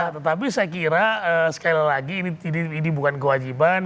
tetapi saya kira sekali lagi ini bukan kewajiban